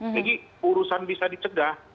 jadi urusan bisa dicegah